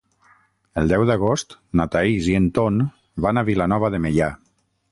El deu d'agost na Thaís i en Ton van a Vilanova de Meià.